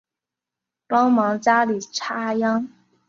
帮忙家里插秧